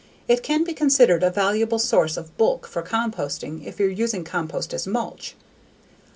It can be considered a valuable source of bulk for composting if you're using compost as mulch.